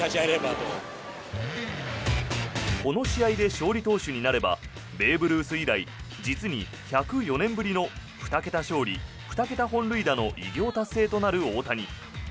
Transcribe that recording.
この試合で勝利投手になればベーブ・ルース以来実に１０４年ぶりの２桁勝利２桁本塁打の偉業達成となる大谷。